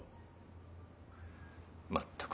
まったく。